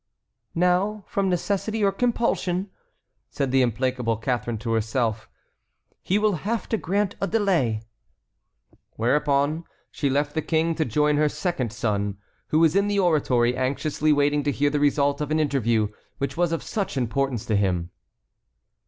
"Now, from necessity or compulsion," said the implacable Catharine to herself, "he will have to grant a delay." Whereupon she left the King to join her second son, who was in the oratory, anxiously waiting to hear the result of an interview which was of such importance to him.